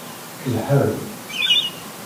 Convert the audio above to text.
Lḥan.